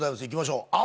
いきましょう。